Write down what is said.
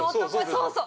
◆そうそう！